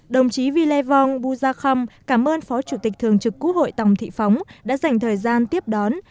đồng chí vy lê phong bu la kham cảm ơn phó chủ tịch thường trực quốc hội tòng thị phóng đã dành thời gian tiếp đón